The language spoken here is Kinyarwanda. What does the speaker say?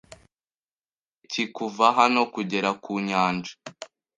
Ni kure ki kuva hano kugera ku nyanja?